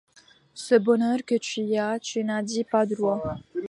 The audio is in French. Ce bonheur que tu as, tu n’y as pas droit.